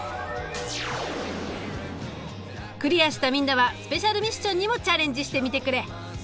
クリアしたみんなはスペシャルミッションにもチャレンジしてみてくれ。